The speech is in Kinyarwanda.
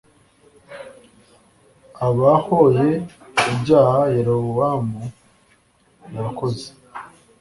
abahoye ibyaha Yerobowamu yakoze